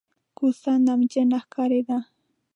کوڅه نمجنه ښکارېده.